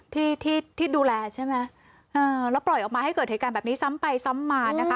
ที่ที่ดูแลใช่ไหมเออแล้วปล่อยออกมาให้เกิดเหตุการณ์แบบนี้ซ้ำไปซ้ำมานะคะ